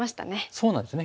そうなんですね